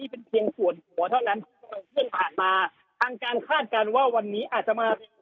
เป็นเพียงส่วนหัวเท่านั้นผ่านมาอังการคาดการณ์ว่าวันนี้อาจจะมา